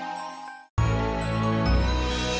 padahal dia udah merusak aku